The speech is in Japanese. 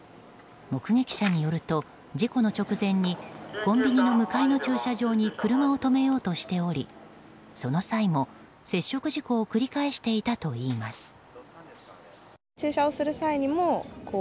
目撃者によると事故の直前にコンビニの向かいの駐車場に車を止めようとしておりその際も接触事故を繰り返していたといいます。